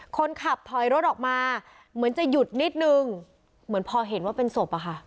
คนขับถอยรถออกมาเหมือนจะหยุดนิดนึงเหมือนพอเห็นว่าเป็นศพอะค่ะ